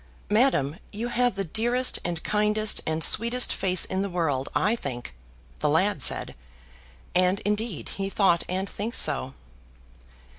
"Madam, you have the dearest, and kindest, and sweetest face in the world, I think," the lad said; and indeed he thought and thinks so.